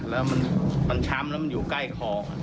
แล้วมันช้ำแล้วมันอยู่ใกล้คอ